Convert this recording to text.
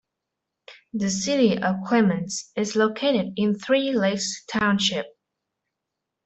The city of Clements is located in Three Lakes Township.